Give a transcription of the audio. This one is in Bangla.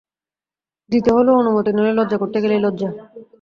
দিতে হল অনুমতি, নইলে লজ্জা করতে গেলেই লজ্জা।